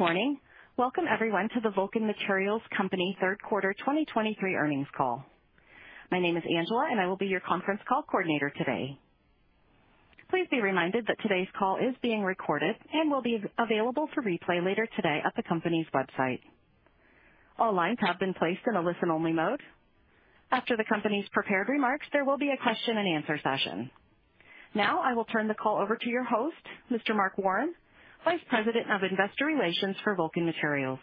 Good morning. Welcome everyone to the Vulcan Materials Company Q3 2023 Earnings Call. My name is Angela, and I will be your conference call coordinator today. Please be reminded that today's call is being recorded and will be available for replay later today at the company's website. All lines have been placed in a listen-only mode. After the company's prepared remarks, there will be a question-and-answer session. Now, I will turn the call over to your host, Mr. Mark Warren, Vice President of Investor Relations for Vulcan Materials.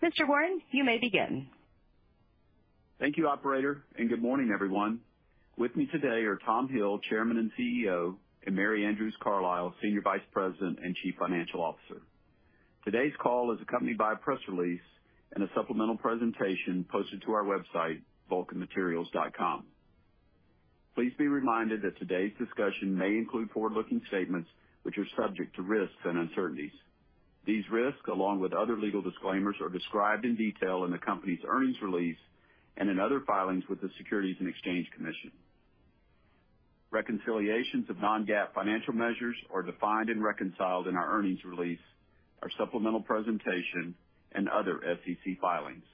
Mr. Warren, you may begin. Thank you, operator, and good morning, everyone. With me today are Tom Hill, Chairman and CEO, and Mary Andrews Carlisle, Senior Vice President and Chief Financial Officer. Today's call is accompanied by a press release and a supplemental presentation posted to our website, vulcanmaterials.com. Please be reminded that today's discussion may include forward-looking statements, which are subject to risks and uncertainties. These risks, along with other legal disclaimers, are described in detail in the company's earnings release and in other filings with the Securities and Exchange Commission. Reconciliations of non-GAAP financial measures are defined and reconciled in our earnings release, our supplemental presentation, and other SEC filings.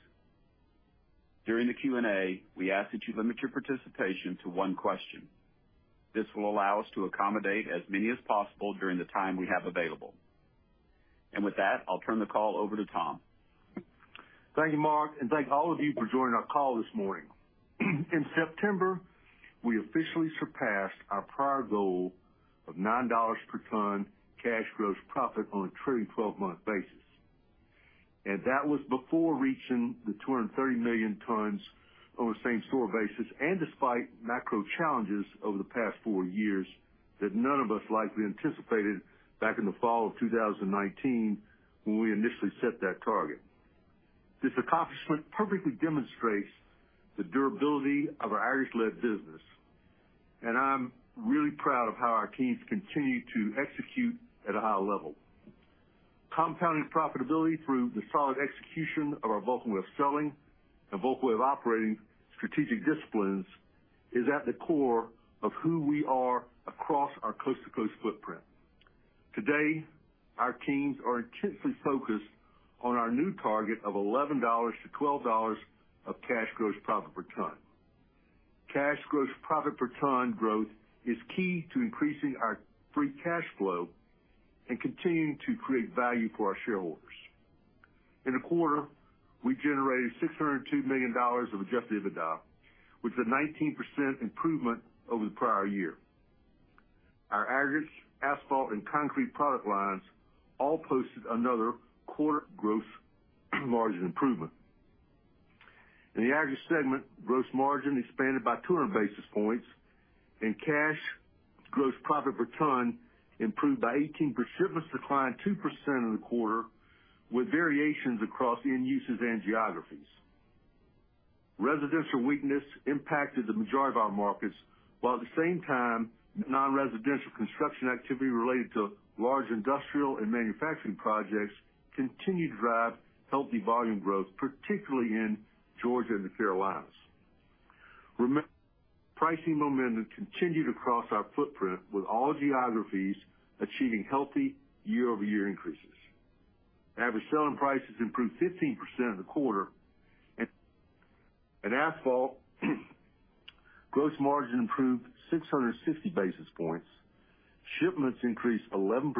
During the Q&A, we ask that you limit your participation to one question. This will allow us to accommodate as many as possible during the time we have available. With that, I'll turn the call over to Tom. Thank you, Mark, and thank all of you for joining our call this morning. In September, we officially surpassed our prior goal of $9 per ton cash gross profit on a trailing twelve-month basis, and that was before reaching the 230 million on the same store basis, and despite macro challenges over the past four years, that none of us likely anticipated back in the fall of 2019, when we initially set that target. This accomplishment perfectly demonstrates the durability of our aggregates-led business, and I'm really proud of how our teams continue to execute at a high level. Compounding profitability through the solid execution of our Vulcan Way of Selling and Vulcan Way of Operating strategic disciplines is at the core of who we are across our coast-to-coast footprint. Today, our teams are intensely focused on our new target of $11-$12 of cash gross profit per ton. Cash gross profit per ton growth is key to increasing our free cash flow and continuing to create value for our shareholders. In the quarter, we generated $602 million of Adjusted EBITDA, which is a 19% improvement over the prior year. Our aggregates, asphalt, and concrete product lines all posted another quarter gross margin improvement. In the aggregate segment, gross margin expanded by 200 basis points, and cash gross profit per ton improved by 18%. Shipments declined 2% in the quarter, with variations across end uses and geographies. Residential weakness impacted the majority of our markets, while at the same time, non-residential construction activity related to large industrial and manufacturing projects continued to drive healthy volume growth, particularly in Georgia and the Carolinas. Remember, pricing momentum continued across our footprint, with all geographies achieving healthy year-over-year increases. Average selling prices improved 15% in the quarter, and asphalt gross margin improved 650 basis points. Shipments increased 11%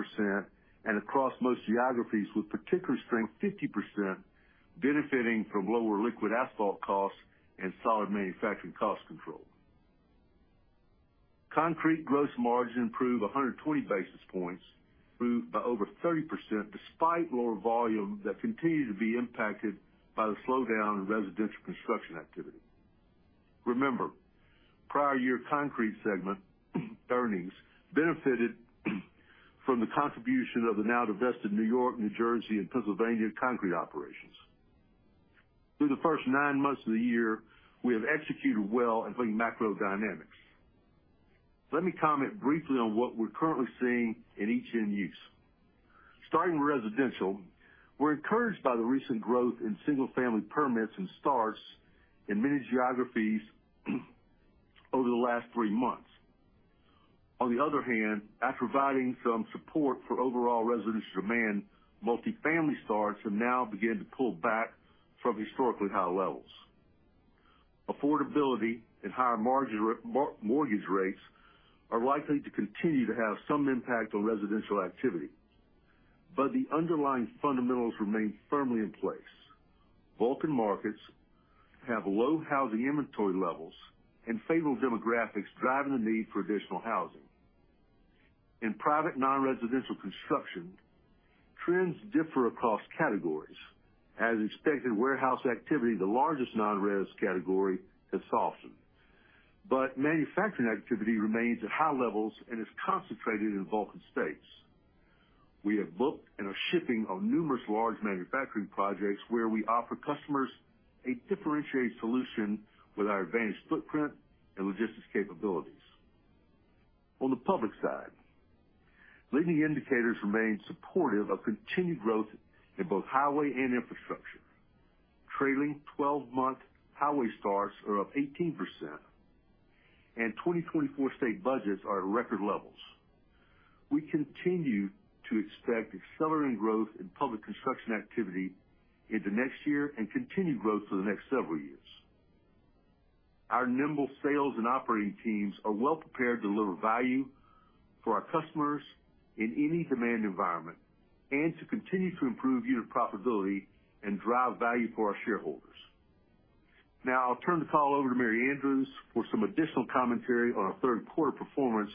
across most geographies with particular strength, 50% benefiting from lower liquid asphalt costs and solid manufacturing cost control. Concrete gross margin improved 120 basis points, grew by over 30%, despite lower volume that continued to be impacted by the slowdown in residential construction activity. Remember, prior year concrete segment earnings benefited from the contribution of the now-divested New York, New Jersey, and Pennsylvania concrete operations. Through the first nine months of the year, we have executed well including macro dynamics. Let me comment briefly on what we're currently seeing in each end use. Starting with residential, we're encouraged by the recent growth in single-family permits and starts in many geographies over the last three months. On the other hand, after providing some support for overall residential demand, multifamily starts have now begun to pull back from historically high levels. Affordability and higher margin mortgage rates are likely to continue to have some impact on residential activity, but the underlying fundamentals remain firmly in place. Vulcan markets have low housing inventory levels and favorable demographics, driving the need for additional housing. In private, non-residential construction, trends differ across categories. As expected, warehouse activity, the largest non-res category, has softened, but manufacturing activity remains at high levels and is concentrated in Vulcan states. We have booked and are shipping on numerous large manufacturing projects, where we offer customers a differentiated solution with our advanced footprint and logistics capabilities. On the public side, leading indicators remain supportive of continued growth in both highway and infrastructure. Trailing twelve-month highway starts are up 18%, and 2024 state budgets are at record levels. We continue to expect accelerating growth in public construction activity into next year and continued growth for the next several years. Our nimble sales and operating teams are well prepared to deliver value for our customers in any demand environment and to continue to improve unit profitability and drive value for our shareholders. Now I'll turn the call over to Mary Andrews for some additional commentary on our Q3 performance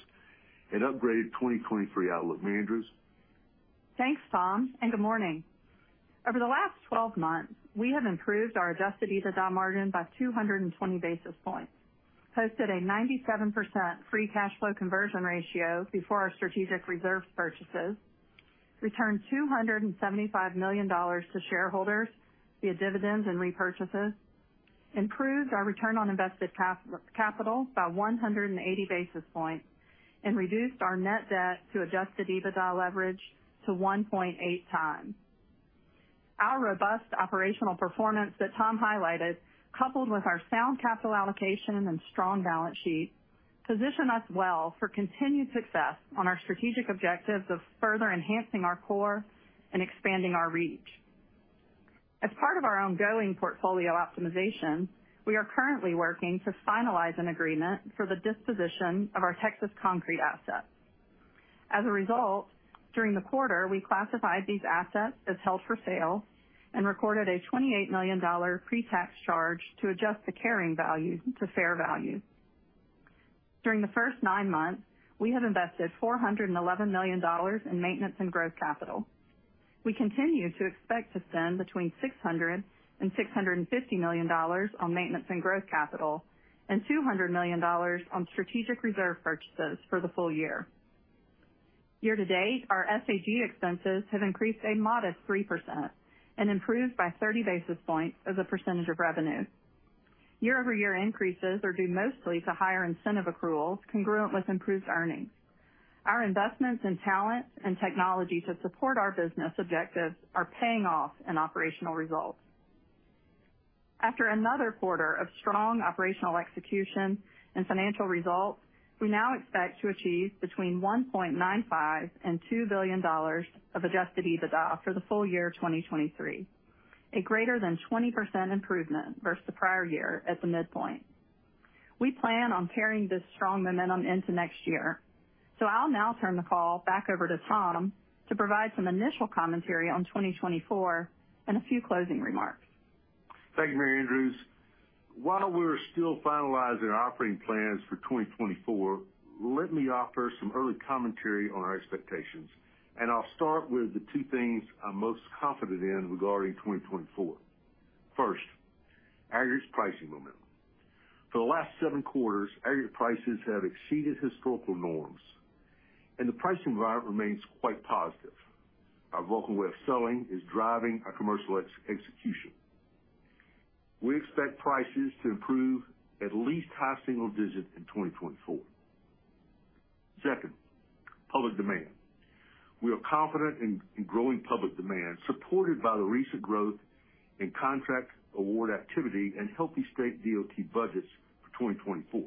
and upgraded 2023 outlook. Mary Andrews? Thanks, Tom, and good morning. Over the last 12 months, we have improved our Adjusted EBITDA margin by 220 basis points, posted a 97% free cash flow conversion ratio before our strategic reserve purchases, returned $275 million to shareholders via dividends and repurchases, improved our return on invested capital by 180 basis points, and reduced our net debt to Adjusted EBITDA leverage to 1.8 times. Our robust operational performance that Tom highlighted, coupled with our sound capital allocation and strong balance sheet, position us well for continued success on our strategic objectives of further enhancing our core and expanding our reach. As part of our ongoing portfolio optimization, we are currently working to finalize an agreement for the disposition of our Texas concrete assets. As a result, during the quarter, we classified these assets as held for sale and recorded a $28 million pre-tax charge to adjust the carrying value to fair value. During the first nine months, we have invested $411 million in maintenance and growth capital. We continue to expect to spend between $600 million and $650 million on maintenance and growth capital and $200 million on strategic reserve purchases for the full year. Year to date, our SG&A expenses have increased a modest 3% and improved by 30 basis points as a percentage of revenue. Year-over-year increases are due mostly to higher incentive accruals, congruent with improved earnings. Our investments in talent and technology to support our business objectives are paying off in operational results. After another quarter of strong operational execution and financial results, we now expect to achieve between $1.95 billion and $2 billion of Adjusted EBITDA for the full year of 2023, a greater than 20% improvement versus the prior year at the midpoint. We plan on carrying this strong momentum into next year. So I'll now turn the call back over to Tom to provide some initial commentary on 2024 and a few closing remarks. Thank you, Mary Andrews. While we're still finalizing our operating plans for 2024, let me offer some early commentary on our expectations, and I'll start with the two things I'm most confident in regarding 2024. First, aggregates pricing momentum. For the last seven quarters, aggregate prices have exceeded historical norms, and the pricing environment remains quite positive. Our Vulcan Way of Selling is driving our commercial execution. We expect prices to improve at least high single digits in 2024. Second, public demand. We are confident in growing public demand, supported by the recent growth in contract award activity and healthy state DOT budgets for 2024.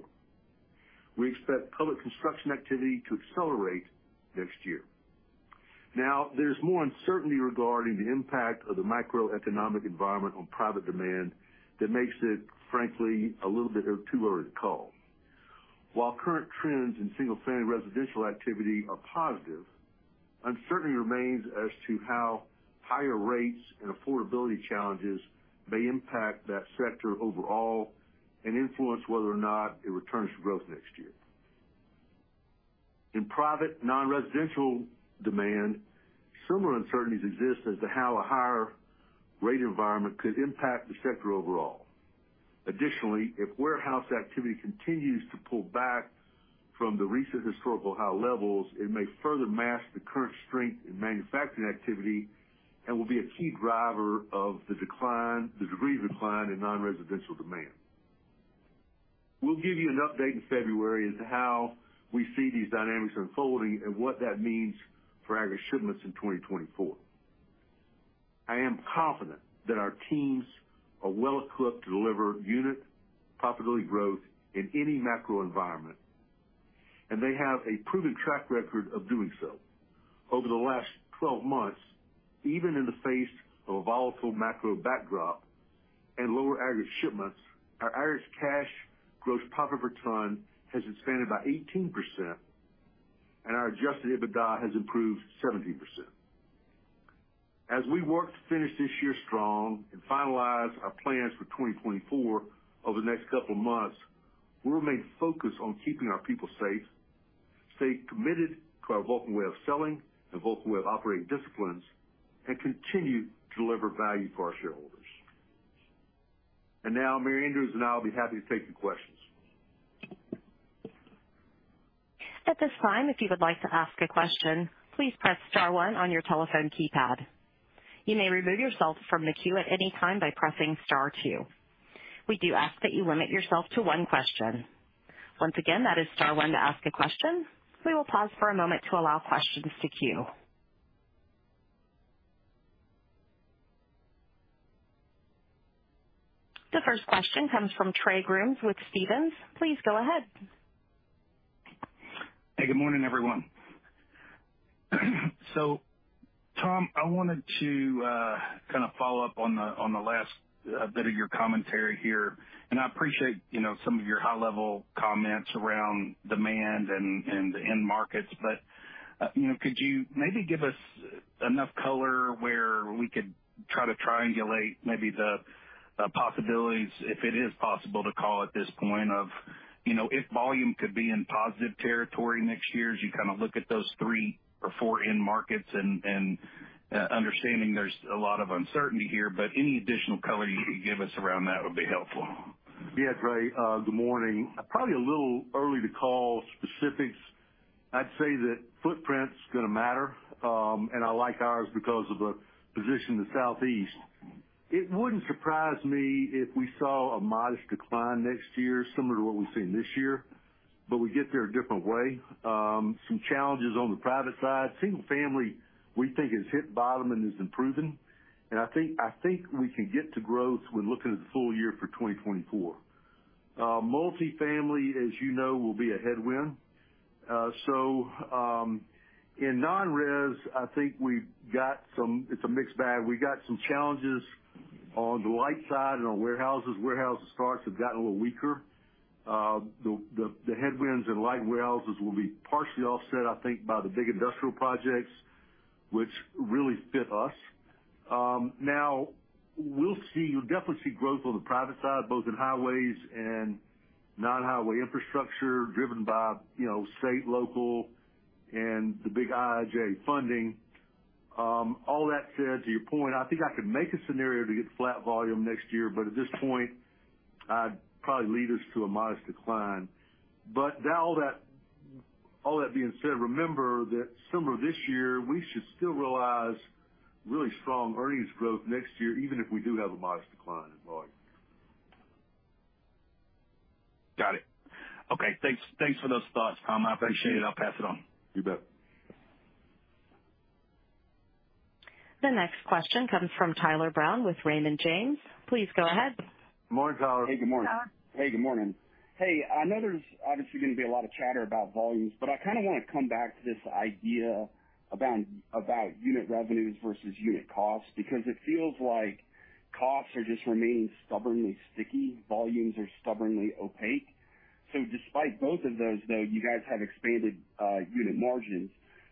We expect public construction activity to accelerate next year. Now, there's more uncertainty regarding the impact of the macroeconomic environment on private demand that makes it, frankly, a little bit too early to call. While current trends in single-family residential activity are positive, uncertainty remains as to how higher rates and affordability challenges may impact that sector overall and influence whether or not it returns to growth next year. In private, non-residential demand, similar uncertainties exist as to how a higher rate environment could impact the sector overall. Additionally, if warehouse activity continues to pull back from the recent historical high levels, it may further mask the current strength in manufacturing activity and will be a key driver of the decline, the degree of decline in non-residential demand. We'll give you an update in February as to how we see these dynamics unfolding and what that means for aggregate shipments in 2024. I am confident that our teams are well equipped to deliver unit profitability growth in any macro environment, and they have a proven track record of doing so. Over the last 12 months, even in the face of a volatile macro backdrop and lower aggregate shipments, our average cash gross profit per ton has expanded by 18%, and our Adjusted EBITDA has improved 17%. As we work to finish this year strong and finalize our plans for 2024, over the next couple of months, we'll remain focused on keeping our people safe, stay committed to our Vulcan Way of Selling and Vulcan Way of Operating disciplines, and continue to deliver value for our shareholders. And now, Mary Andrews, and I will be happy to take your questions. At this time, if you would like to ask a question, please press star one on your telephone keypad. You may remove yourself from the queue at any time by pressing star two. We do ask that you limit yourself to one question. Once again, that is star one to ask a question. We will pause for a moment to allow questions to queue. The first question comes from Trey Grooms with Stephens. Please go ahead. Hey, good morning, everyone. So Tom, I wanted to kind of follow up on the last bit of your commentary here. And I appreciate, you know, some of your high-level comments around demand and the end markets. But you know, could you maybe give us enough color where we could try to triangulate maybe the possibilities, if it is possible to call at this point of, you know, if volume could be in positive territory next year, as you kind of look at those three or four end markets and understanding there's a lot of uncertainty here, but any additional color you could give us around that would be helpful. Yeah, Trey, good morning. Probably a little early to call specifics. I'd say that footprint's gonna matter, and I like ours because of the position in the Southeast. It wouldn't surprise me if we saw a modest decline next year, similar to what we've seen this year, but we get there a different way. Some challenges on the private side. Single family, we think, has hit bottom and is improving, and I think, I think we can get to growth when looking at the full year for 2024. Multifamily, as you know, will be a headwind. In non-res, I think we've got some... It's a mixed bag. We've got some challenges. On the light side and on warehouses, warehouse starts have gotten a little weaker. The headwinds in light warehouses will be partially offset, I think, by the big industrial projects which really fit us. Now, we'll see. You'll definitely see growth on the private side, both in highways and non-highway infrastructure, driven by, you know, state, local, and the big IIJA funding. All that said, to your point, I think I could make a scenario to get flat volume next year, but at this point, I'd probably lead us to a modest decline. But now that, all that being said, remember that similar to this year, we should still realize really strong earnings growth next year, even if we do have a modest decline in volume. Got it. Okay, thanks, thanks for those thoughts, Tom. I appreciate it. I'll pass it on. You bet. The next question comes from Tyler Brown with Raymond James. Please go ahead. Morning, Tyler. Hey, good morning. Hey, good morning. Hey, I know there's obviously going to be a lot of chatter about volumes, but I kind of want to come back to this idea about, about unit revenues versus unit costs, because it feels like costs are just remaining stubbornly sticky. Volumes are stubbornly opaque. So despite both of those, though, you guys have expanded unit margins.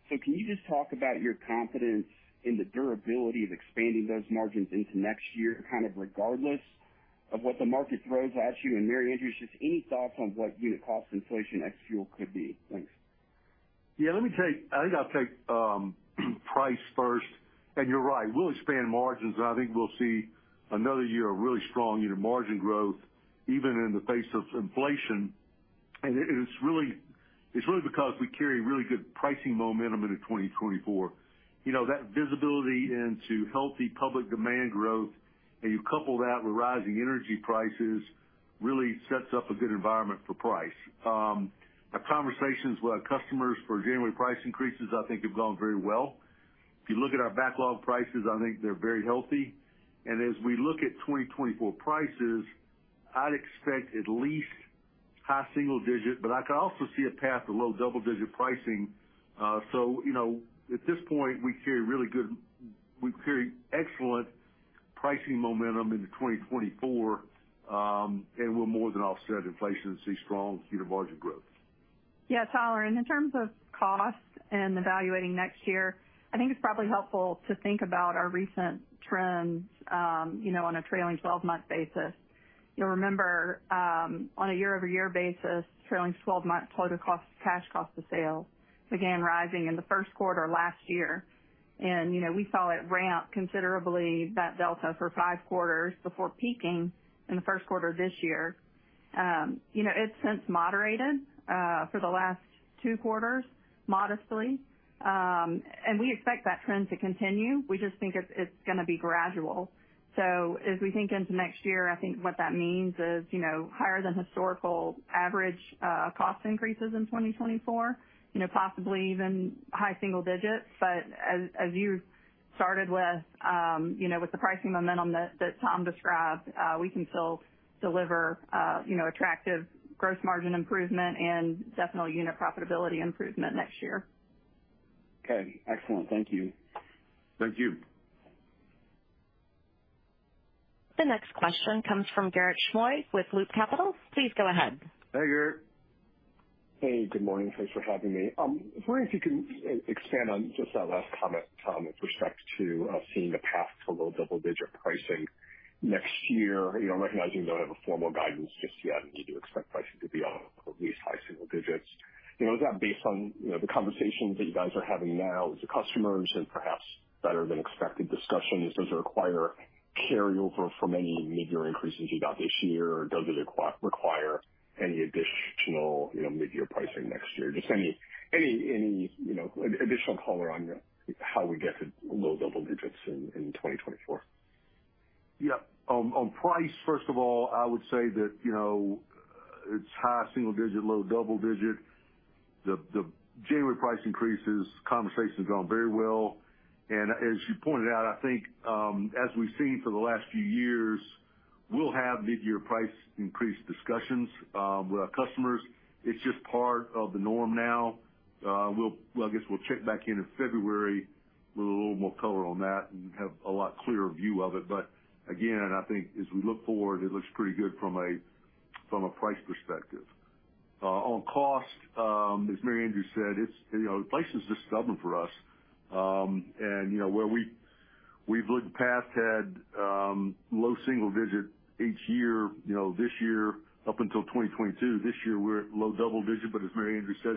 So can you just talk about your confidence in the durability of expanding those margins into next year, kind of regardless of what the market throws at you? And Mary Andrews, just any thoughts on what unit cost inflation ex fuel could be? Thanks. Yeah, let me take—I think I'll take price first. You're right, we'll expand margins, and I think we'll see another year of really strong unit margin growth, even in the face of inflation. It is really because we carry really good pricing momentum into 2024. You know, that visibility into healthy public demand growth, and you couple that with rising energy prices, really sets up a good environment for price. Our conversations with our customers for January price increases, I think, have gone very well. If you look at our backlog prices, I think they're very healthy. As we look at 2024 prices, I'd expect at least high single digits, but I could also see a path to low double-digit pricing. So, you know, at this point, we carry excellent pricing momentum into 2024, and we'll more than offset inflation and see strong unit margin growth. Yeah, Tyler, and in terms of costs and evaluating next year, I think it's probably helpful to think about our recent trends, you know, on a trailing twelve-month basis. You'll remember, on a year-over-year basis, trailing twelve-month total cost, cash cost of sales began rising in Q1 last year. And, you know, we saw it ramp considerably, that delta, for five quarters before peaking in Q1 of this year. You know, it's since moderated, for the last two quarters, modestly, and we expect that trend to continue. We just think it's, it's gonna be gradual. So as we think into next year, I think what that means is, you know, higher than historical average, cost increases in 2024, you know, possibly even high single digits. But as you started with, you know, with the pricing momentum that Tom described, we can still deliver, you know, attractive gross margin improvement and definitely unit profitability improvement next year. Okay, excellent. Thank you. Thank you. The next question comes from Garik Shmois with Loop Capital. Please go ahead. Hey, Garik. Hey, good morning. Thanks for having me. I was wondering if you can expand on just that last comment, Tom, with respect to seeing the path to low double-digit pricing next year, you know, recognizing you don't have a formal guidance just yet, and you do expect pricing to be on at least high single digits. You know, is that based on the conversations that you guys are having now with the customers and perhaps better than expected discussions? Does it require carryover from any mid-year increases you got this year, or does it require any additional mid-year pricing next year? Just any additional color on how we get to low double digits in 2024. Yeah, on, on price, first of all, I would say that, you know, it's high single digit, low double digit. The January price increases conversation has gone very well, and as you pointed out, I think, as we've seen for the last few years, we'll have mid-year price increase discussions with our customers. It's just part of the norm now. I guess we'll check back in in February with a little more color on that and have a lot clearer view of it. Again, I think as we look forward, it looks pretty good from a price perspective. On cost, as Mary Andrews Carlisle said, it's, you know, inflation is just stubborn for us. And, you know, where we, we've looked past had, low single digit each year. You know, this year, up until 2022, this year, we're at low double-digit, but as Mary Andrews says,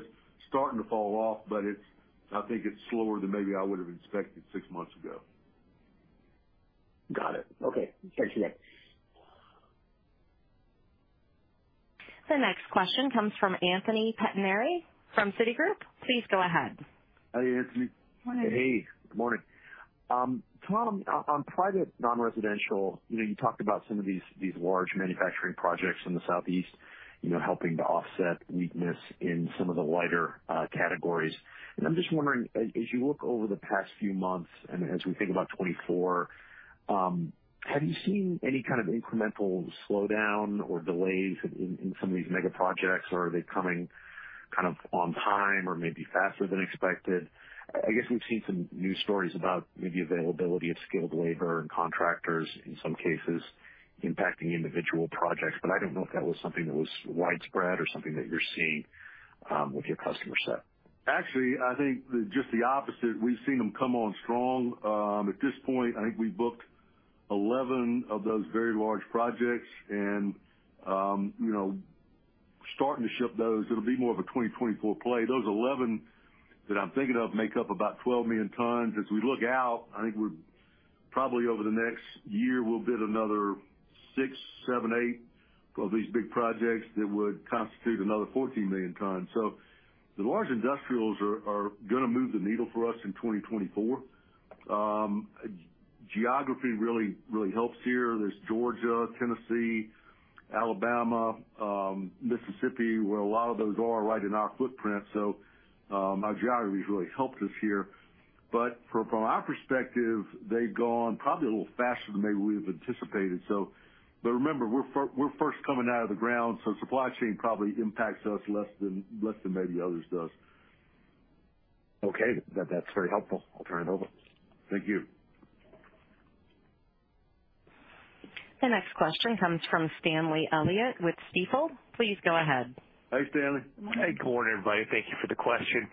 starting to fall off, but it's - I think it's slower than maybe I would have expected six months ago. Got it. Okay. Thank you, Nick. The next question comes from Anthony Pettinari from Citigroup. Please go ahead. Hi, Anthony. Morning. Hey, good morning. Tom, on private, non-residential, you know, you talked about some of these large manufacturing projects in the Southeast, you know, helping to offset weakness in some of the lighter categories. And I'm just wondering, as you look over the past few months, and as we think about 2024, have you seen any kind of incremental slowdown or delays in some of these mega projects, or are they coming kind of on time or maybe faster than expected? I guess we've seen some news stories about maybe availability of skilled labor and contractors, in some cases impacting individual projects, but I didn't know if that was something that was widespread or something that you're seeing with your customer set. Actually, I think just the opposite. We've seen them come on strong. At this point, I think we booked 11 of those very large projects and, you know, starting to ship those, it'll be more of a 2024 play. Those 11 that I'm thinking of make up about 12 million tons. As we look out, I think we're probably over the next year, we'll bid another six, seven, eight of these big projects that would constitute another 14 million tons. The large industrials are gonna move the needle for us in 2024. Geography really, really helps here. There's Georgia, Tennessee, Alabama, Mississippi, where a lot of those are right in our footprint. Our geography has really helped us here, but from our perspective, they've gone probably a little faster than maybe we've anticipated, so... But remember, we're first coming out of the ground, so supply chain probably impacts us less than maybe others does. Okay, that's very helpful. I'll turn it over. Thank you. The next question comes from Stanley Elliott with Stifel. Please go ahead. Hi, Stanley. Morning. Hey, good morning, everybody. Thank you for the question.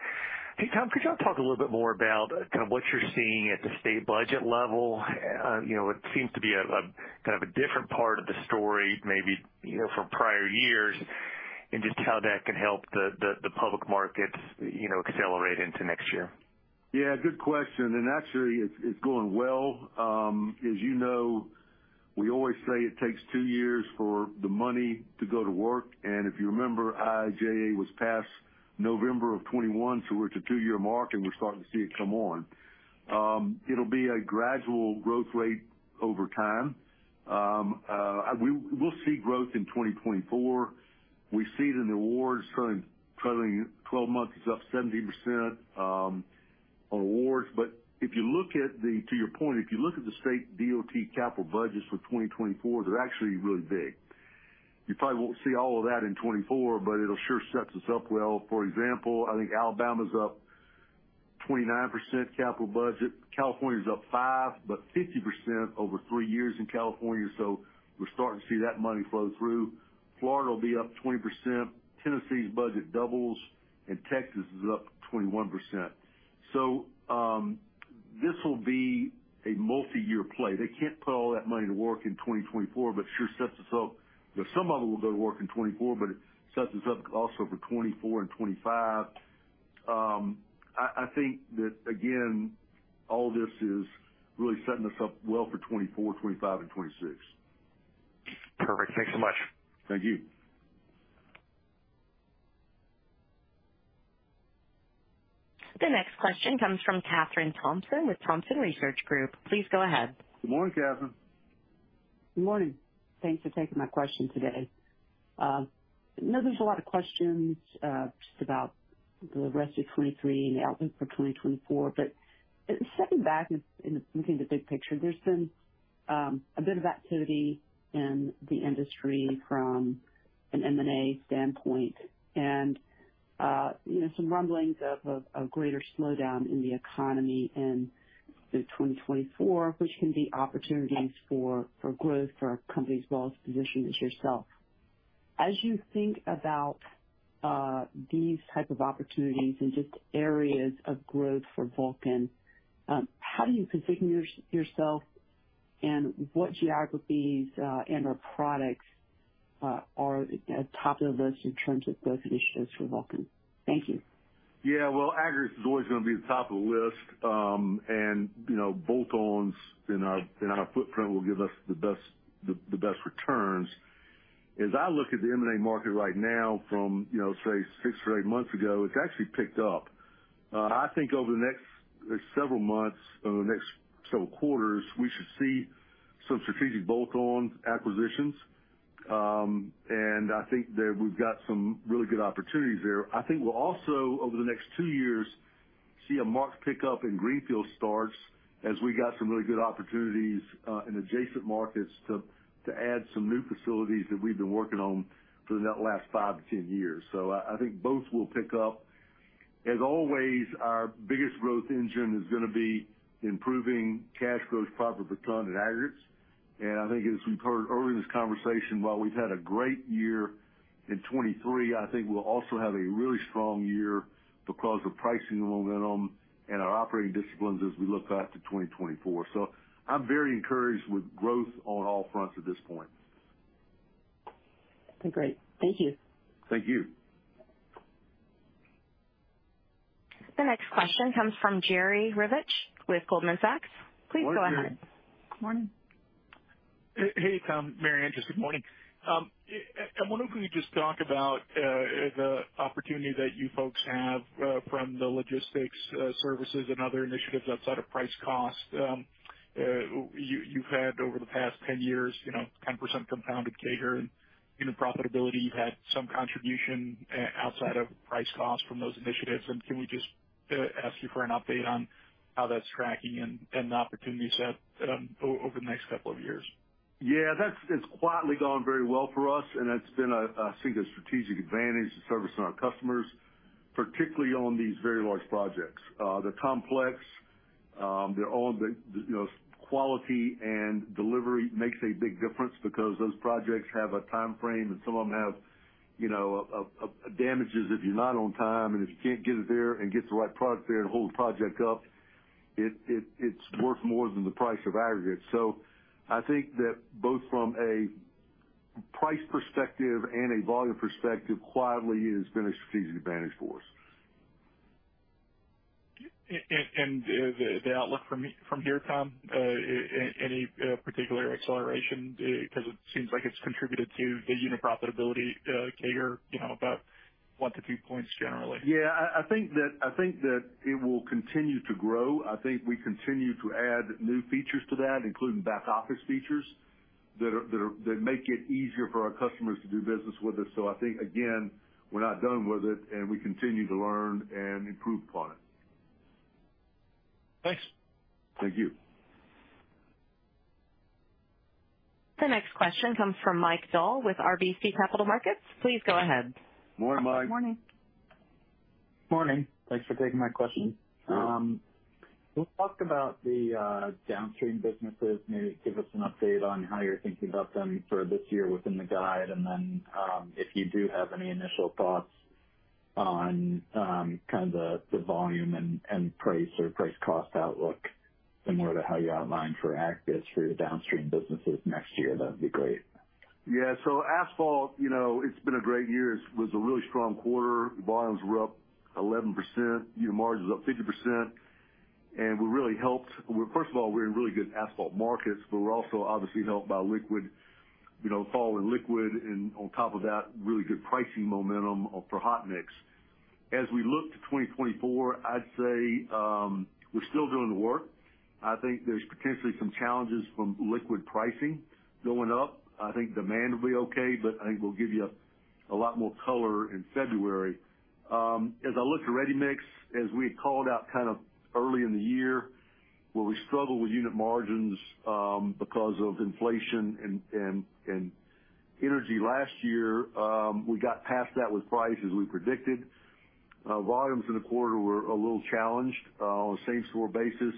Hey, Tom, could you talk a little bit more about kind of what you're seeing at the state budget level? You know, it seems to be kind of a different part of the story, maybe, you know, from prior years, and just how that can help the public markets, you know, accelerate into next year. Yeah, good question. And actually, it's going well. As you know, we always say it takes two years for the money to go to work, and if you remember, IIJA was passed November of 2021, so we're at the two-year mark, and we're starting to see it come on. It'll be a gradual growth rate over time. We'll see growth in 2024. We see it in the awards, currently, 12 months is up 70% on awards. But if you look at the... To your point, if you look at the state DOT capital budgets for 2024, they're actually really big. You probably won't see all of that in 2024, but it'll sure sets us up well. For example, I think Alabama's up 29% capital budget. California's up 5, but 50% over three years in California, so we're starting to see that money flow through. Florida will be up 20%, Tennessee's budget doubles, and Texas is up 21%. So, this will be a multi-year play. They can't put all that money to work in 2024, but it sure sets us up. You know, some of it will go to work in 2024, but it sets us up also for 2024 and 2025. I think that, again, all this is really setting us up well for 2024, 2025 and 2026. Perfect. Thanks so much. Thank you. The next question comes from Kathryn Thompson with Thompson Research Group. Please go ahead. Good morning, Kathryn. Good morning. Thanks for taking my question today. I know there's a lot of questions just about the rest of 2023 and the outlook for 2024, but stepping back and looking at the big picture, there's been a bit of activity in the industry from an M&A standpoint and you know, some rumblings of a greater slowdown in the economy in 2024, which can be opportunities for growth for a company as well as positioned as yourself. As you think about these type of opportunities and just areas of growth for Vulcan, how do you position yourself and what geographies and/or products are at top of the list in terms of growth initiatives for Vulcan? Thank you. Yeah, well, aggregates is always gonna be the top of the list, and, you know, bolt-ons in our footprint will give us the best returns. As I look at the M&A market right now from, you know, say, six or eight months ago, it's actually picked up. I think over the next several months, over the next several quarters, we should see some strategic bolt-on acquisitions. And I think that we've got some really good opportunities there. I think we'll also, over the next two years, see a marked pickup in greenfield starts as we got some really good opportunities in adjacent markets to add some new facilities that we've been working on for the last five to ten years. I think both will pick up. As always, our biggest growth engine is gonna be improving cash flow, profit per ton in aggregates. And I think as we've heard earlier in this conversation, while we've had a great year in 2023, I think we'll also have a really strong year because of pricing momentum and our operating disciplines as we look out to 2024. So I'm very encouraged with growth on all fronts at this point. Great. Thank you. Thank you. The next question comes from Jerry Revich with Goldman Sachs. Please go ahead. Morning, Jerry. Morning. Hey, Tom, Mary Andrews. Good morning. I wonder if you could just talk about the opportunity that you folks have from the logistics services and other initiatives outside of price cost. You've had over the past 10 years, you know, 10% compounded CAGR in unit profitability. You've had some contribution outside of price cost from those initiatives. And can we just ask you for an update on how that's tracking and the opportunities over the next couple of years? Yeah, that's, it's quietly gone very well for us, and it's been a, I think, a strategic advantage to servicing our customers, particularly on these very large projects. They're complex, they're all, you know, quality and delivery makes a big difference because those projects have a time frame, and some of them have, you know, damages if you're not on time, and if you can't get it there and get the right product there, it holds the project up, it, it, it's worth more than the price of aggregate. So I think that both from a price perspective and a volume perspective, quietly, it has been a strategic advantage for us. The outlook from here, Tom, any particular acceleration? Because it seems like it's contributed to the unit profitability, CAGR, you know, about one to two points generally. Yeah, I think that it will continue to grow. I think we continue to add new features to that, including back-office features that make it easier for our customers to do business with us. So I think, again, we're not done with it, and we continue to learn and improve upon it. Thanks. Thank you. The next question comes from Mike Dahl with RBC Capital Markets. Please go ahead. Morning, Mike. Morning. Morning. Thanks for taking my question. Can you talk about the downstream businesses, maybe give us an update on how you're thinking about them for this year within the guide, and then, if you do have any initial thoughts on kind of the volume and price or price cost outlook similar to how you outlined for asphalt for your downstream businesses next year, that'd be great. Yeah. So asphalt, you know, it's been a great year. It was a really strong quarter. Volumes were up 11%, unit margins up 50%, and we're really helped. We're, first of all, in really good asphalt markets, but we're also obviously helped by liquid, you know, fall in liquid, and on top of that, really good pricing momentum for hot mix. As we look to 2024, I'd say, we're still doing the work. I think there's potentially some challenges from liquid pricing going up. I think demand will be okay, but I think we'll give you a lot more color in February. As I look to ready-mix, as we had called out kind of early in the year, where we struggled with unit margins, because of inflation and, and, and energy last year, we got past that with price, as we predicted. Volumes in the quarter were a little challenged, on a same store basis,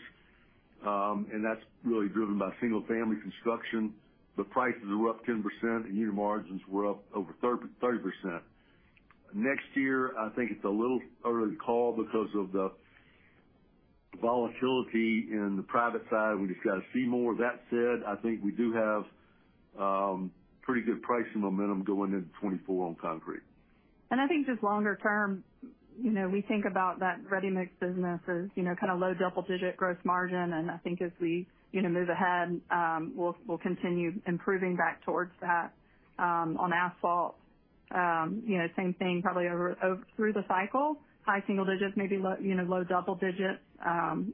and that's really driven by single-family construction. The prices were up 10% and unit margins were up over 30%. Next year, I think it's a little early to call because of the volatility in the private side. We just got to see more. That said, I think we do have, pretty good pricing momentum going into 2024 on concrete. I think just longer term, you know, we think about that ready-mix business as, you know, kind of low double-digit gross margin. I think as we, you know, move ahead, we'll continue improving back towards that. On asphalt, you know, same thing, probably through the cycle, high single digits, maybe low double digits.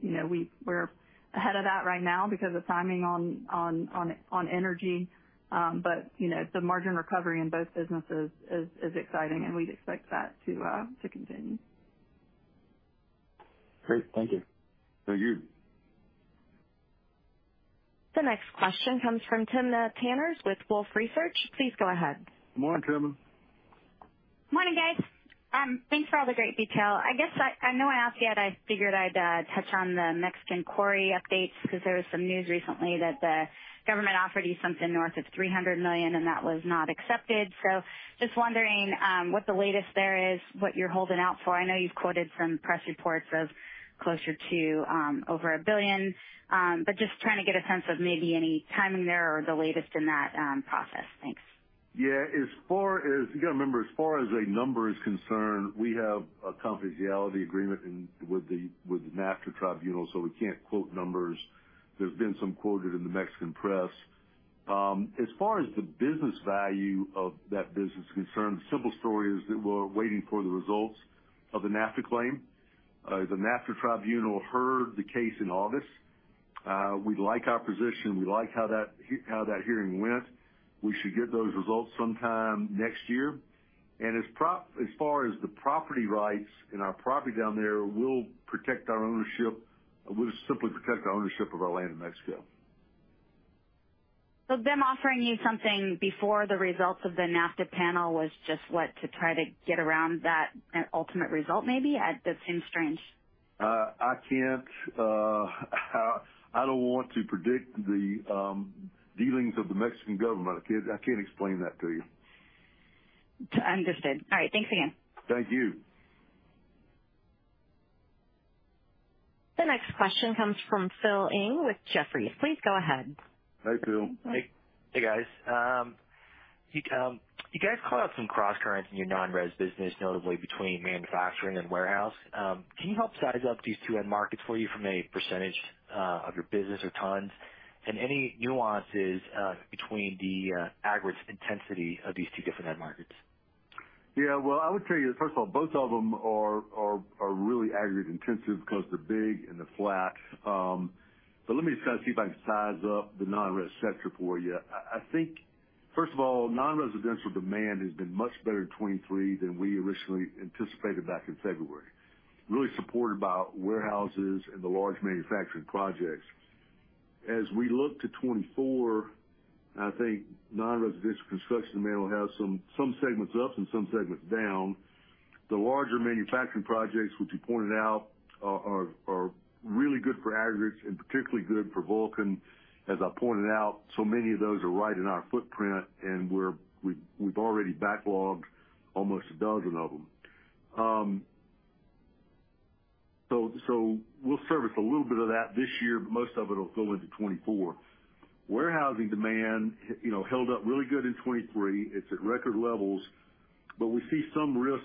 You know, we're ahead of that right now because of timing on energy. But, you know, the margin recovery in both businesses is exciting, and we'd expect that to continue. Great. Thank you. Thank you. The next question comes from Timna Tanners with Wolfe Research. Please go ahead. Morning, Timna. Morning, guys. Thanks for all the great detail. I guess I know I asked you. I figured I'd touch on the Mexican quarry updates because there was some news recently that the government offered you something north of $300 million, and that was not accepted. So just wondering what the latest there is, what you're holding out for. I know you've quoted some press reports of closer to over $1 billion, but just trying to get a sense of maybe any timing there or the latest in that process. Thanks. Yeah, as far as... You got to remember, as far as a number is concerned, we have a confidentiality agreement in, with the, with the NAFTA Tribunal, so we can't quote numbers. There's been some quoted in the Mexican press.... As far as the business value of that business is concerned, the simple story is that we're waiting for the results of the NAFTA claim. The NAFTA Tribunal heard the case in August. We like our position, we like how that, how that hearing went. We should get those results sometime next year. As far as the property rights and our property down there, we'll protect our ownership. We'll simply protect our ownership of our land in Mexico. So them offering you something before the results of the NAFTA panel was just, what? To try to get around that, ultimate result, maybe? That seems strange. I can't. I don't want to predict the dealings of the Mexican government. I can't explain that to you. Understood. All right, thanks again. Thank you. The next question comes from Phil Ing with Jefferies. Please go ahead. Hi, Phil. Hey. Hey, guys. You guys called out some crosscurrents in your non-res business, notably between manufacturing and warehouse. Can you help size up these two end markets for you from a percentage of your business or tons? And any nuances between the aggregate intensity of these two different end markets? Yeah, well, I would tell you, first of all, both of them are really aggregate intensive because they're big and they're flat. So let me just kind of see if I can size up the non-res sector for you. I think, first of all, non-residential demand has been much better in 2023 than we originally anticipated back in February, really supported by warehouses and the large manufacturing projects. As we look to 2024, I think non-residential construction demand will have some segments up and some segments down. The larger manufacturing projects, which you pointed out, are really good for aggregates and particularly good for Vulcan. As I pointed out, so many of those are right in our footprint, and we've already backlogged almost a dozen of them. We'll service a little bit of that this year, but most of it'll go into 2024. Warehousing demand, you know, held up really good in 2023. It's at record levels, but we see some risk,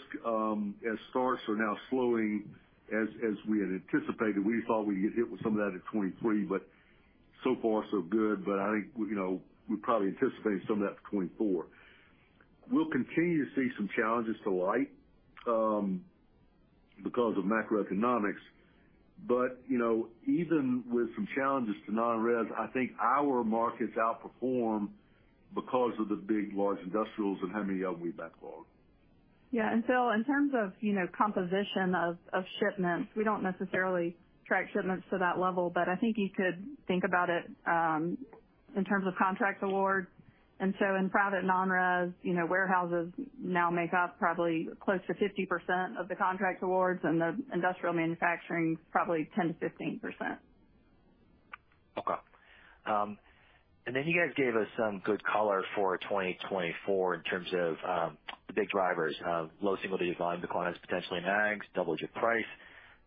as starts are now slowing as we had anticipated. We thought we'd get hit with some of that in 2023, but so far, so good. I think, you know, we probably anticipate some of that for 2024. We'll continue to see some challenges to light, you know, because of macroeconomics. Even with some challenges to non-res, I think our markets outperform because of the big, large industrials and how many of them we backlogged. Yeah, and Phil, in terms of, you know, composition of shipments, we don't necessarily track shipments to that level, but I think you could think about it in terms of contract awards. And so in private non-res, you know, warehouses now make up probably close to 50% of the contract awards, and the industrial manufacturing, probably 10%-15%. Okay. And then you guys gave us some good color for 2024 in terms of, the big drivers of low single-digit volume declines, potentially in ags, double-digit price,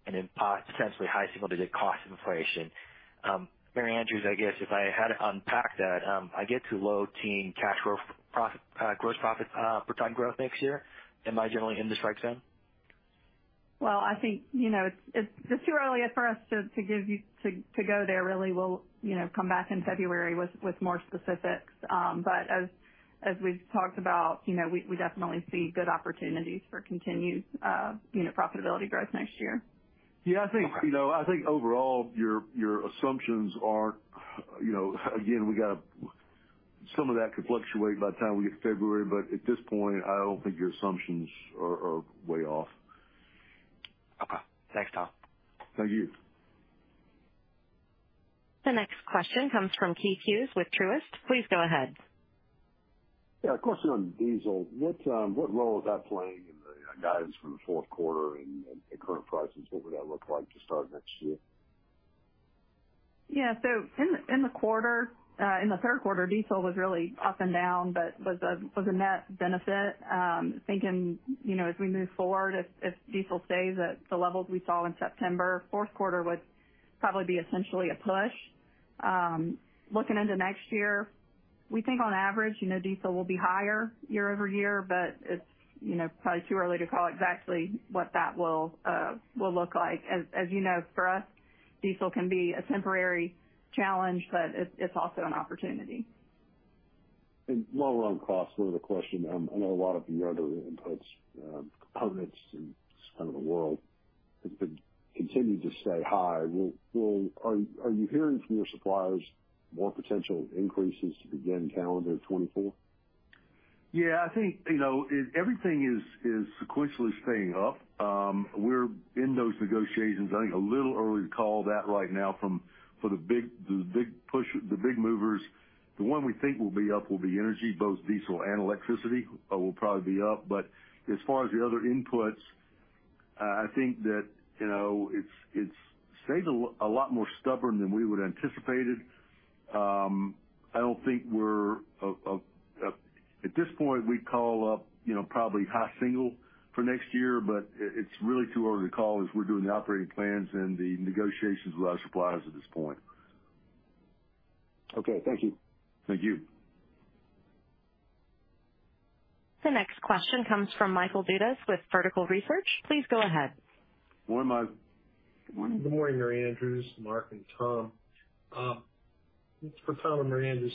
and then potentially high single-digit cost inflation. Mary Andrews, I guess if I had to unpack that, I get to low-teens cash gross profit, gross profit, per ton growth next year. Am I generally in the strike zone? Well, I think, you know, it's just too early for us to give you—to go there, really. We'll, you know, come back in February with more specifics. Well, as we've talked about, you know, we definitely see good opportunities for continued, you know, unit profitability growth next year. Yeah, I think, you know, I think overall, your assumptions are, you know, again, we got a... Some of that could fluctuate by the time we get to February, but at this point, I don't think your assumptions are way off. Okay. Thanks, Tom. Thank you. The next question comes from Keith Hughes with Truist. Please go ahead. Yeah, a question on diesel. What, what role is that playing in the, guidance for Q4 and, and current prices? What would that look like to start next year? Yeah, so in the quarter, in the Q3, diesel was really up and down, but was a, was a net benefit. Thinking, you know, as we move forward, if diesel stays at the levels we saw in September, Q4 would probably be essentially a push. Looking into next year, we think on average, you know, diesel will be higher year-over-year, but it's, you know, probably too early to call exactly what that will, will look like. As you know, for us, diesel can be a temporary challenge, but it's, it's also an opportunity. Raw material cost, another question, I know a lot of the other inputs, components and kind of the world have been, continue to stay high. Will, will, are you hearing from your suppliers more potential increases to begin calendar 2024? Yeah, I think, you know, everything is sequentially staying up. We're in those negotiations. I think it's a little early to call that right now for the big, the big push, the big movers. The one we think will be up will be energy, both diesel and electricity, will probably be up. As far as the other inputs, I think that, you know, it's stayed a lot more stubborn than we would have anticipated. I don't think we'd call up, you know, probably high single for next year, but it's really too early to call as we're doing the operating plans and the negotiations with our suppliers at this point. Okay. Thank you. Thank you. The next question comes from Michael Dudas with Vertical Research. Please go ahead. Good morning, Mike. Good morning. Good morning, Mary Andrews, Mark, and Tom. For Tom and Mary Andrews,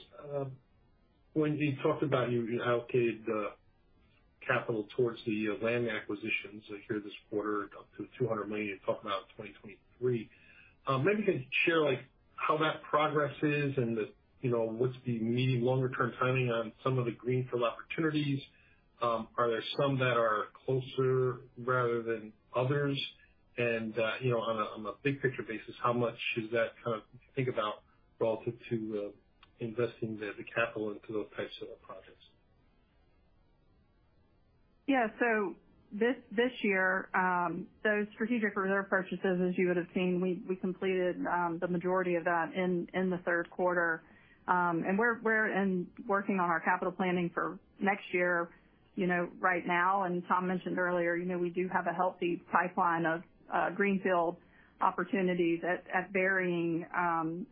when you talked about you allocated the capital towards the land acquisitions here this quarter, up to $200 million, you're talking about 2023. Maybe you can share, like, how that progress is and the, you know, what's the medium longer-term timing on some of the greenfield opportunities. Are there some that are closer rather than others? And, you know, on a big picture basis, how much is that kind of think about relative to investing the capital into those types of projects? Yeah. So this, this year, those strategic reserve purchases, as you would've seen, we, we completed the majority of that in the Q3. And we're working on our capital planning for next year, you know, right now. And Tom mentioned earlier, you know, we do have a healthy pipeline of greenfield opportunities at varying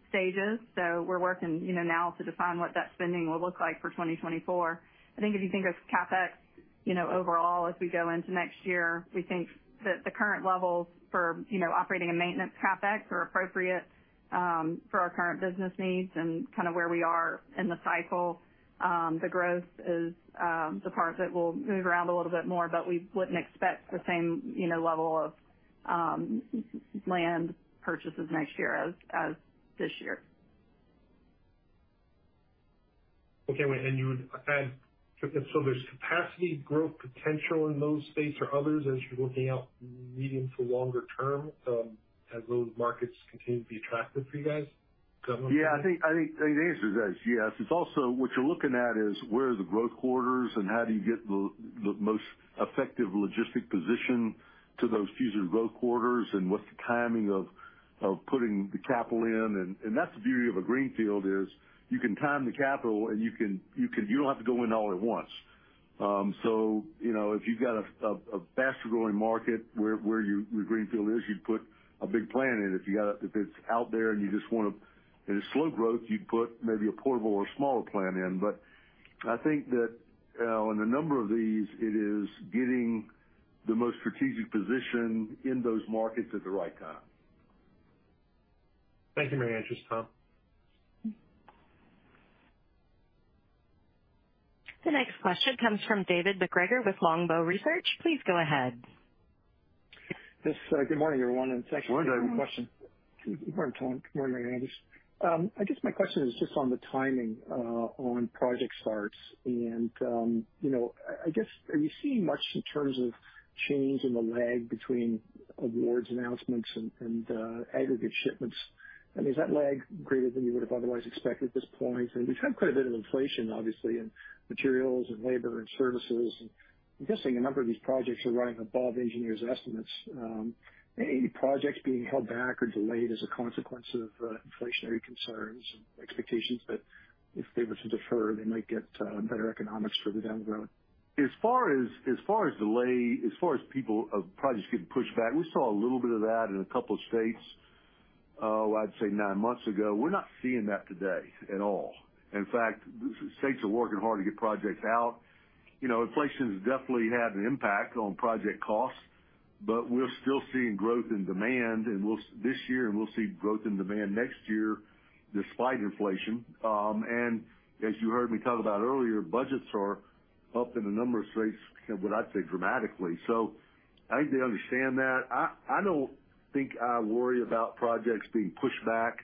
stages. So we're working, you know, now to define what that spending will look like for 2024. I think if you think of CapEx, you know, overall, as we go into next year, we think that the current levels for operating and maintenance CapEx are appropriate for our current business needs and kind of where we are in the cycle. The growth is the part that will move around a little bit more, but we wouldn't expect the same, you know, level of land purchases next year as this year. Okay. And you would add... So there's capacity growth potential in those states or others as you're looking out medium to longer term, as those markets continue to be attractive for you guys? Yeah, I think, I think the answer is yes. It's also what you're looking at is where are the growth corridors, and how do you get the most effective logistic position to those future growth corridors? And what's the timing of putting the capital in? And that's the beauty of a greenfield, is you can time the capital and you can you don't have to go in all at once. So you know, if you've got a faster growing market where your greenfield is, you'd put a big plant in. If you got if it's out there and you just want to... and it's slow growth, you'd put maybe a portable or smaller plant in. But I think that, in a number of these, it is getting the most strategic position in those markets at the right time. Thank you, Mary Andrews, Tom. The next question comes from David MacGregor with Longbow Research. Please go ahead. Yes, good morning, everyone, and thanks for the question. Good morning, David. Good morning, Tom. Good morning, Mary Andrews. I guess my question is just on the timing, on project starts. And, you know, I, I guess, are you seeing much in terms of change in the lag between awards, announcements, and, and, aggregate shipments? I mean, is that lag greater than you would have otherwise expected at this point? And we've had quite a bit of inflation, obviously, in materials and labor and services, and I'm guessing a number of these projects are running above engineers' estimates. Any projects being held back or delayed as a consequence of, inflationary concerns and expectations that if they were to defer, they might get, better economics further down the road? As far as delay, as far as people projects getting pushed back, we saw a little bit of that in a couple of states, I'd say nine months ago. We're not seeing that today at all. In fact, states are working hard to get projects out. You know, inflation's definitely had an impact on project costs, but we're still seeing growth in demand, and we'll this year, and we'll see growth in demand next year despite inflation. And as you heard me talk about earlier, budgets are up in a number of states, what I'd say, dramatically. So I think they understand that. I don't think I worry about projects being pushed back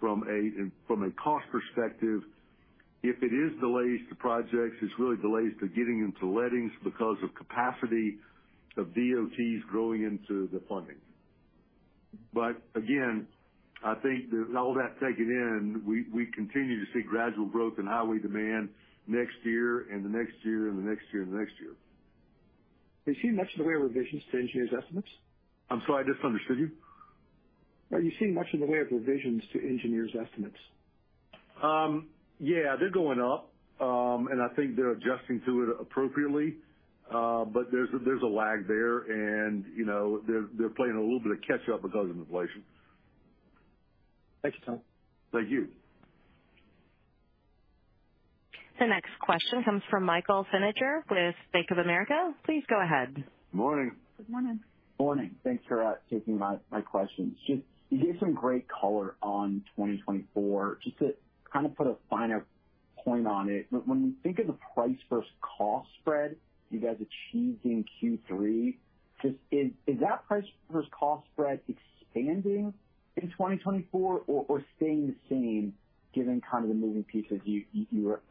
from a cost perspective. If it is delays to projects, it's really delays to getting into lettings because of capacity, the DOTs growing into the funding. Again, I think that all that taken in, we continue to see gradual growth in highway demand next year and the next year, and the next year, and the next year. Are you seeing much in the way of revisions to engineers' estimates? I'm sorry, I misunderstood you. Are you seeing much in the way of revisions to engineers' estimates? Yeah, they're going up, and I think they're adjusting to it appropriately. But there's a lag there, and, you know, they're playing a little bit of catch up because of inflation. Thank you, Tom. Thank you. The next question comes from Michael Feniger with Bank of America. Please go ahead. Morning. Good morning. Morning. Thanks for taking my questions. Just, you gave some great color on 2024. Just to kind of put a finer point on it, when you think of the price versus cost spread you guys achieved in Q3, just, is that price versus cost spread expanding in 2024 or staying the same, given kind of the moving pieces you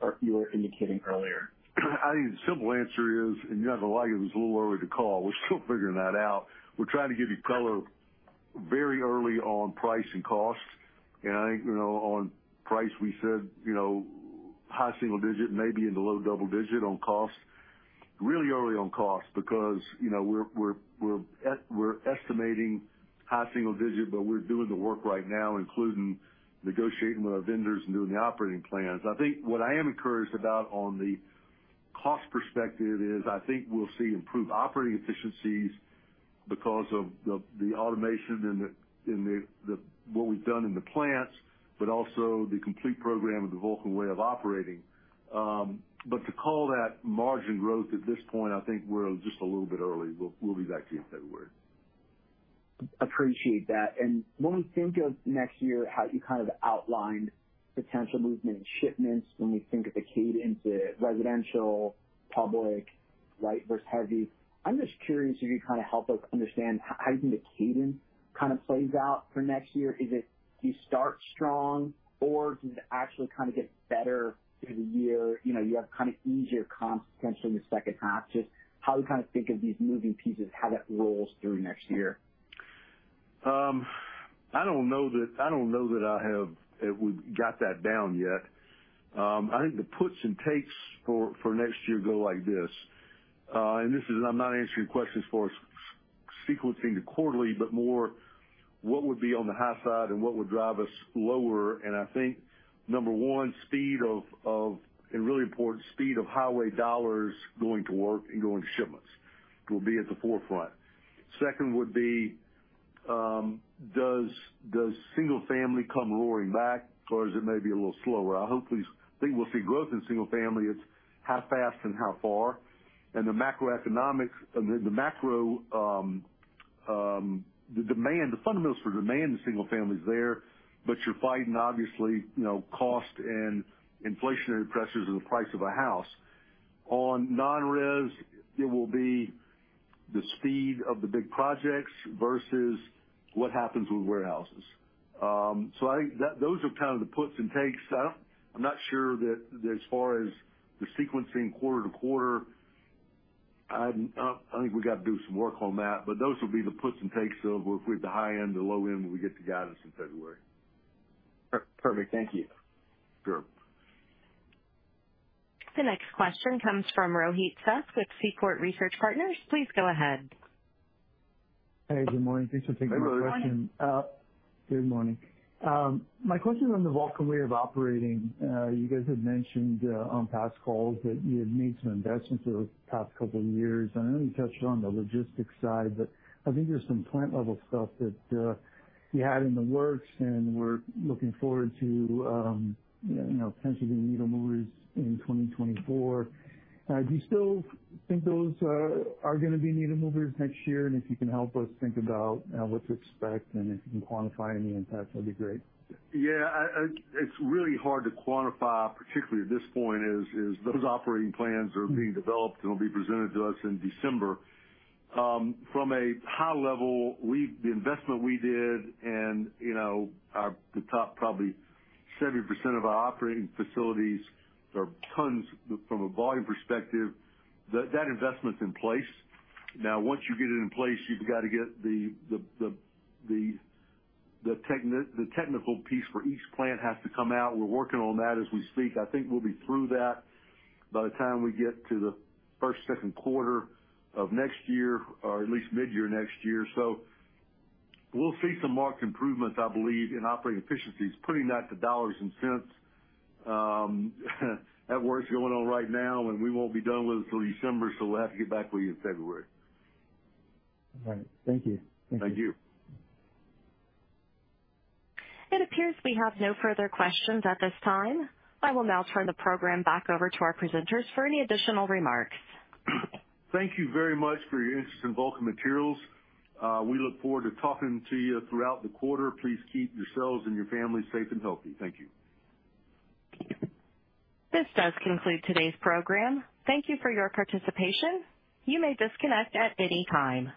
were indicating earlier? I think the simple answer is, and you have to like it, it's a little early to call. We're still figuring that out. We're trying to give you color very early on price and costs. And I think, you know, on price, we said, you know, high single-digit, maybe in the low double-digit on cost. Really early on cost, because, you know, we're estimating high single-digit, but we're doing the work right now, including negotiating with our vendors and doing the operating plans. I think what I am encouraged about on the cost perspective is I think we'll see improved operating efficiencies... because of the automation, what we've done in the plants, but also the complete program of the Vulcan Way of Operating. But to call that margin growth at this point, I think we're just a little bit early. We'll be back to you in February. Appreciate that. When we think of next year, how you kind of outlined potential movement in shipments, when we think of the cadence of residential, public, light versus heavy, I'm just curious if you could kind of help us understand how, how you think the cadence kind of plays out for next year. Is it you start strong, or does it actually kind of get better through the year? You know, you have kind of easier comps potentially in the second half. Just how do you kind of think of these moving pieces, how that rolls through next year? I don't know that, I don't know that I have-- that we've got that down yet. I think the puts and takes for, for next year go like this. This is-- I'm not answering questions for sequencing the quarterly, but more what would be on the high side and what would drive us lower. I think, number one, speed of, of-- and really important, speed of highway dollars going to work and going to shipments will be at the forefront. Second would be, does, does single family come roaring back, or is it maybe a little slower? I hopefully think we'll see growth in single family. It's how fast and how far. And the macroeconomics and the macro, the demand, the fundamentals for demand in single family is there, but you're fighting, obviously, you know, cost and inflationary pressures of the price of a house. On non-res, it will be the speed of the big projects versus what happens with warehouses. So I think that those are kind of the puts and takes. I don't, I'm not sure that as far as the sequencing quarter to quarter, I'm, I think we've got to do some work on that, but those will be the puts and takes of if we're at the high end, the low end, when we get the guidance in February. Perfect. Thank you. Sure. The next question comes from Rohit Seth with Seaport Research Partners. Please go ahead. Hey, good morning. Thanks for taking my question. Hey, Rohit. Good morning. My question is on the Vulcan Way of Operating. You guys have mentioned on past calls that you had made some investments over the past couple of years, and I know you touched on the logistics side, but I think there's some plant-level stuff that you had in the works and we're looking forward to, you know, potentially being needle movers in 2024. Do you still think those are gonna be needle movers next year? And if you can help us think about what to expect and if you can quantify any impact, that'd be great. Yeah, it's really hard to quantify, particularly at this point, those operating plans are being developed and will be presented to us in December. From a high level, we've the investment we did and, you know, our the top probably 70% of our operating facilities are tons from a volume perspective. That investment's in place. Now, once you get it in place, you've got to get the technical piece for each plant has to come out. We're working on that as we speak. I think we'll be through that by the time we get to Q1, Q2 of next year, or at least mid-year next year. So we'll see some marked improvements, I believe, in operating efficiencies. Putting that to dollars and cents, that work's going on right now, and we won't be done with it until December, so we'll have to get back with you in February. All right. Thank you. Thank you. It appears we have no further questions at this time. I will now turn the program back over to our presenters for any additional remarks. Thank you very much for your interest in Vulcan Materials. We look forward to talking to you throughout the quarter. Please keep yourselves and your families safe and healthy. Thank you. This does conclude today's program. Thank you for your participation. You may disconnect at any time.